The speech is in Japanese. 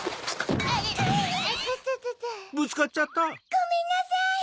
ごめんなさい。